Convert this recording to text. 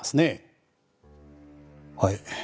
はい。